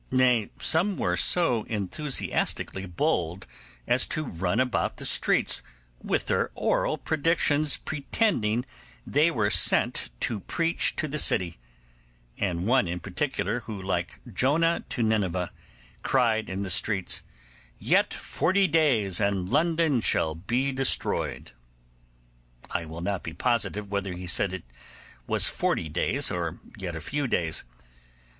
Nay, some were so enthusiastically bold as to run about the streets with their oral predictions, pretending they were sent to preach to the city; and one in particular, who, like Jonah to Nineveh, cried in the streets, 'Yet forty days, and London shall be destroyed.' I will not be positive whether he said yet forty days or yet a few days.